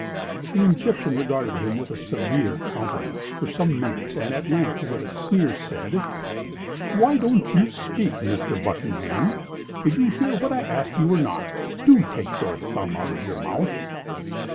The Egyptian regarded him with a severe countenance for some minutes and at length, with a sneer, said: "Why don't you speak, Mr. Buckingham? Did you hear what I asked you, or not? Do take your thumb out of your mouth!"